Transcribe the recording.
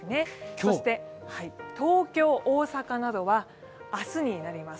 そして東京、大阪などは明日になります。